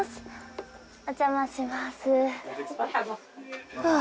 お邪魔します。